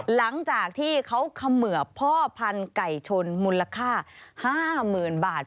หลังจากที่เขาเขมือบพ่อพันธุ์ไก่ชนมูลค่า๕๐๐๐บาท